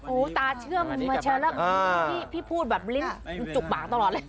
โอ้โหตาเชื่อมมาเชิญแล้วพี่พูดแบบลิ้นจุกปากตลอดเลย